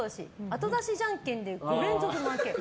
後出しじゃんけんで５連続負け。